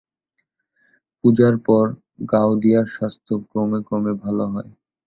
পূজার পর গাওদিয়ার স্বাস্থ্য ক্রমে ক্রমে ভালো হয়।